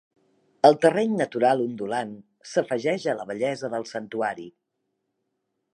El terreny natural ondulant s'afegeix a la bellesa del santuari.